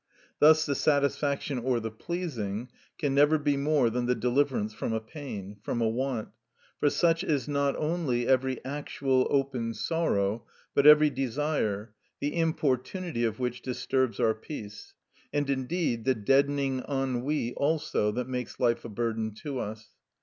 Thus the satisfaction or the pleasing can never be more than the deliverance from a pain, from a want; for such is not only every actual, open sorrow, but every desire, the importunity of which disturbs our peace, and, indeed, the deadening ennui also that makes life a burden to us.